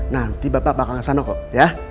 nanti bapak bakalan kesana kok ya